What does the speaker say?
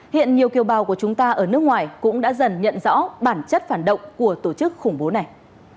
hiện nhiều kiều bào của chúng ta ở nước ngoài cũng đã dần nhận rõ bản chất phản động của tổ chức khủng bố này